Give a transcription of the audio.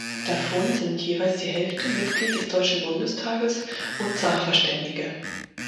Davon sind jeweils die Hälfte Mitglied des Deutschen Bundestages und Sachverständige.